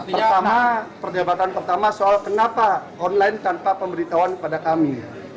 kesempatan pertama soal kenapa online tanpa pemberitahuan pada kami